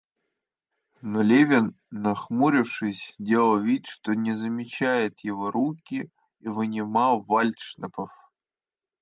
Но Левин, нахмурившись, делал вид, что не замечает его руки, и вынимал вальдшнепов.